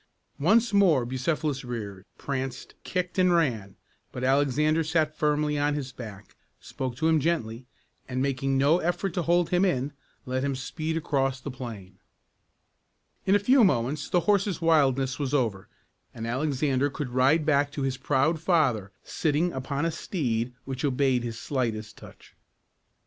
Once more Bucephalus reared, pranced, kicked, and ran; but Alexander sat firmly on his back, spoke to him gently, and, making no effort to hold him in, let him speed across the plain. [Illustration: Alexander and Bucephalus.] In a few moments the horse's wildness was over, and Alexander could ride back to his proud father, sitting upon a steed which obeyed his slightest touch.